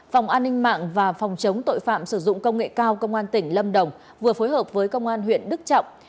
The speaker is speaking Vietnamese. phòng an ninh mạng và phòng chống tội phạm sử dụng công nghệ cao công an tỉnh lâm đồng vừa phối hợp với công an huyện đức trọng